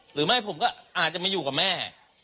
หรือไม่ผมก็อาจจะมาอยู่กับแม่